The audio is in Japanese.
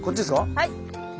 はい。